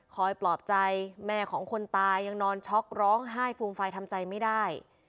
ปลอบใจแม่ของคนตายยังนอนช็อกร้องไห้ฟูมฟายทำใจไม่ได้